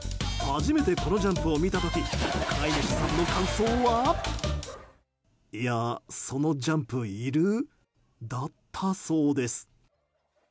初めて、このジャンプを見た時飼い主さんの感想はいや、そのジャンプいる？だったそうです。